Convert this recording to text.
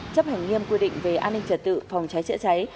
chấp hành nghiêm quy định về an ninh trật tự phòng cháy chữa cháy